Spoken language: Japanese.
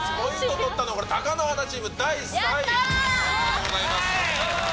取ったのは貴乃花チーム、第３位。